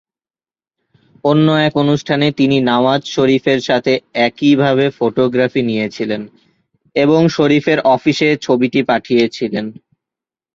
অন্য এক অনুষ্ঠানে তিনি নওয়াজ শরীফের সাথে একইভাবে ফটোগ্রাফি নিয়েছিলেন এবং শরীফের অফিসে ছবিটি পাঠিয়েছিলেন।